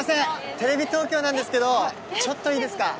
テレビ東京なんですけどちょっといいですか？